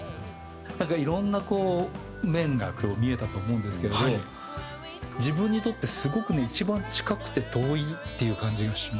なんかいろんな面が今日見えたと思うんですけれど自分にとってすごくね一番近くて遠いっていう感じがしました。